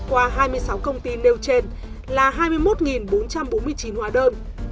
qua hai mươi sáu công ty nêu trên là hai mươi một bốn trăm bốn mươi chín hóa đơn